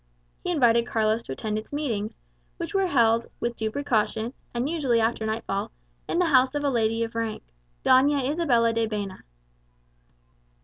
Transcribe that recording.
He invited Carlos to attend its meetings, which were held, with due precaution, and usually after nightfall, in the house of a lady of rank Doña Isabella de Baena.